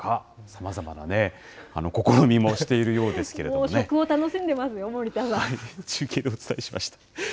さまざまな試みもしているようで食を楽しんでますよ、森田さ中継でお伝えしました。